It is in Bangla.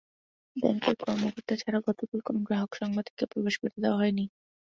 ব্যাংকের কর্মকর্তা ছাড়া গতকাল কোনো গ্রাহক, সাংবাদিককে প্রবেশ করতে দেওয়া হয়নি।